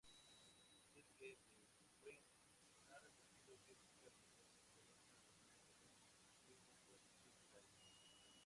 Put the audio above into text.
Cirque du Freak ha recibido críticas relativamente buenas de mano de los críticos occidentales.